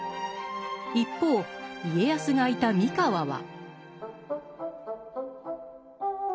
一方家康がいた三河は。